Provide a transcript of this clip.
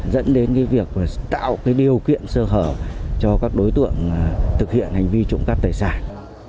dẫn đến việc tạo cái điều kiện sơ hở cho các đối tượng thực hiện hành vi trộm cắp tài sản